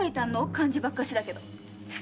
漢字ばっかしだけど。